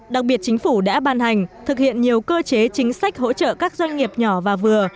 đặc biệt chính phủ đã ban hành thực hiện nhiều cơ chế chính sách hỗ trợ các doanh nghiệp nhỏ và vừa